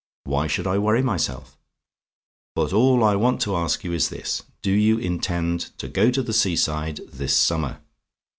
Why should I worry myself? "But all I want to ask you is this: do you intend to go to the sea side this summer?